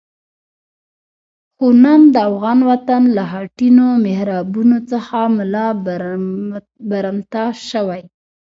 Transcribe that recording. خو نن د افغان وطن له خټینو محرابونو څخه ملا برمته شوی.